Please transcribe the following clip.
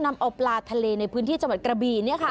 นำเอาปลาทะเลในพื้นที่จังหวัดกระบี